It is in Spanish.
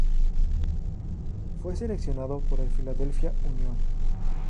Fue seleccionado por el Philadelphia Union.